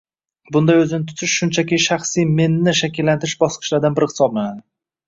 Bunday o‘zini tutish shunchaki shaxsiy “Men”ni shakllantirish bosqichlaridan biri hisoblanadi.